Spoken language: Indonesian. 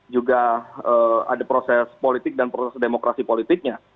juga ada proses politik dan proses demokrasi politiknya